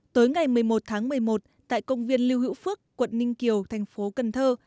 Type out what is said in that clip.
tối ngày một mươi một tháng một mươi một tại công viên lưu hữu phước quận ninh kiều thành phố cần thơ